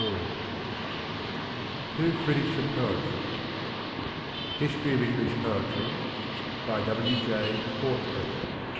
] TWO CRITICS OF POETRY " History of English Poetry." By W. J. Courthope.